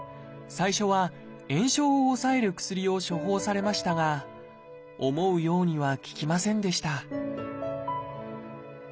最初は炎症を抑える薬を処方されましたが思うようには効きませんでした